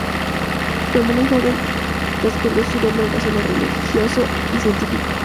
Desde muy joven, Lemaître descubrió su doble vocación de religioso y científico.